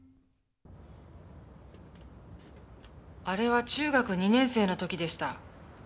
あれは中学２年生の時でした。